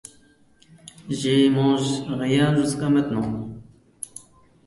Kielce is one of the relatively cooler cities in Poland.